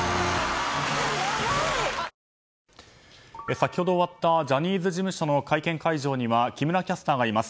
先ほど終わったジャニーズ事務所の会見会場には木村キャスターがいます。